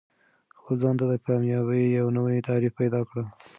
خپل ځان ته د کامیابۍ یو نوی تعریف پیدا کړه.